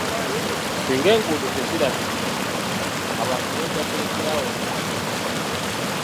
Singa enguudo tezirabirirwa, abantu bajja kulekera awo okuzikozesa.